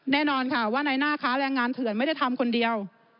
แน่นอนค่ะว่าในหน้าค้าแรงงานเถื่อนไม่ได้ทำคนเดียว